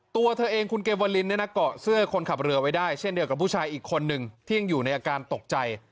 ตัวเธอเองคุณเกวลินเนี่ยนะเกาะเสื้อคนขับเรือไว้ได้เช่นเดียวกับผู้ชายอีกคนนึงที่ยังอยู่ในอาการตกใจ